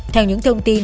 theo những thông tin